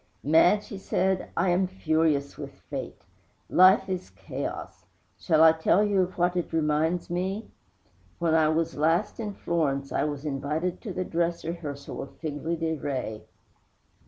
'Madge,' he said, 'I am furious with Fate. Life is chaos. Shall I tell you of what it reminds me? When I was last in Florence I was invited to the dress rehearsal of "Figli Di Re."